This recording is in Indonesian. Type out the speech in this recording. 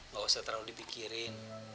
gak usah terlalu dipikirin